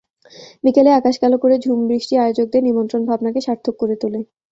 বিকেলে আকাশ কালো করে ঝুম বৃষ্টি আয়োজকদের নিমন্ত্রণভাবনাকে সার্থক করে তোলে।